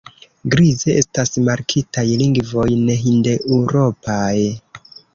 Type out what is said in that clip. Grize estas markitaj lingvoj nehindeŭropaj.